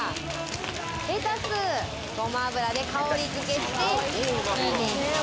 レタス、ごま油で香り付けして。